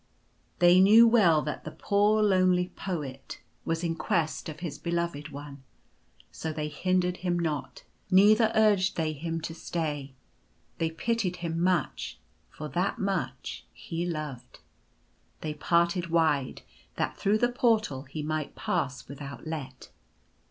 They knew well that the poor lonely Poet was in quest 142 The Gardens of Death. of his Beloved One ; so they hindered him not, neither urged they him to stay. They pitied him much for that much he loved. They parted wide, that through the Portal he might pass without let.